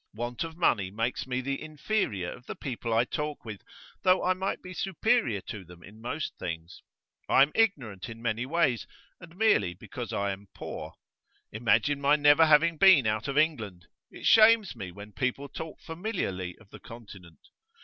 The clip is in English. Want of money makes me the inferior of the people I talk with, though I might be superior to them in most things. I am ignorant in many ways, and merely because I am poor. Imagine my never having been out of England! It shames me when people talk familiarly of the Continent.